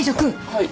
はい？